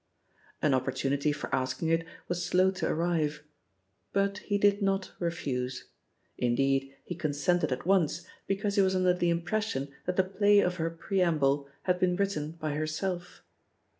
An opportunity for asking it was slow to ar rive. But he did not refuse. Indeed, he con sented at once, because he was under the impres sion that the play of her preamble had beea written by herself.